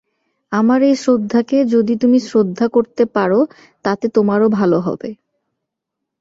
আমার এই শ্রদ্ধাকে যদি তুমি শ্রদ্ধা করতে পার তাতে তোমারও ভালো হবে।